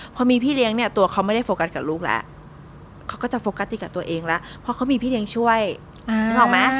พอมีพี่เลี้ยงเนี่ยตัวเขาไม่ได้โฟกัสกับลูกแล้วเขาก็จะโฟกัสติดกับตัวเองแล้วเพราะเขามีพี่เลี้ยงช่วยนึกออกไหม